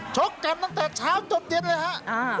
ชกกันตั้งแต่เช้าจนเย็นเลยฮะ